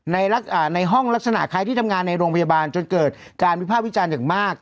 ในห้องลักษณะคล้ายที่ทำงานในโรงพยาบาลจนเกิดการวิภาควิจารณ์อย่างมาก